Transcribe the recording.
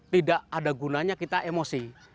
tidak ada gunanya kita emosi